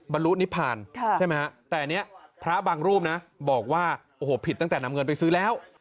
บรรลุนิพพานใช่ไหมฮะแต่อันนี้พระบางรูปนะบอกว่าโอ้โหผิดตั้งแต่นำเงินไปซื้อแล้ว